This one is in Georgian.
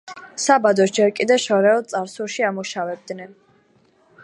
საბადოს ჯერ კიდევ შორეულ წარსულში ამუშავებდნენ.